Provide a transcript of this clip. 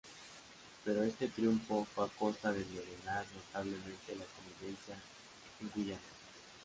Pero este triunfo fue a costa de envenenar notablemente la convivencia en Guyana.